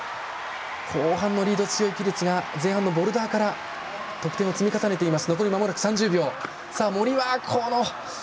後半のリードに強い選手が前半のボルダーから得点を積み重ねています。